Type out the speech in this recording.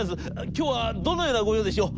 今日はどのような御用でしょう。